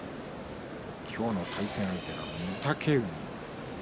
今日の対戦相手は御嶽海。